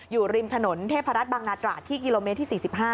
อยู่ริมถนนเทพรัฐบางนาตราดที่กิโลเมตรที่๔๕